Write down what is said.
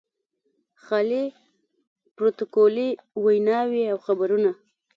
خالي پروتوکولي ویناوې او خبرونه.